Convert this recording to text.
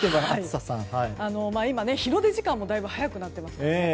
今、日の出時間もだいぶ早くなっていますしね。